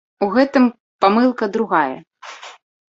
У гэтым памылка другая.